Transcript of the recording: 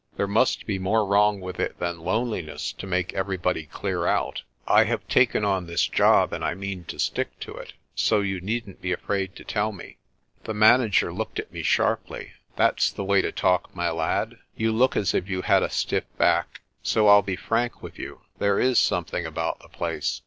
There must be more wrong with it than loneliness to make everybody clear out. I have taken on this job, and I mean to stick to it, so you needn't be afraid to tell me." The manager looked at me sharply. "That's the way to talk, my lad. You look as if you had a stiff back, so I'll be frank with you. There is something about the place.